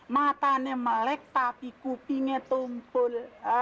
matanya melek tapi kupingnya tumpul